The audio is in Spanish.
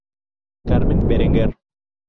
Carmen Berenguer.